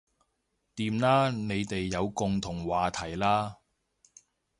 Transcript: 掂啦你哋有共同話題喇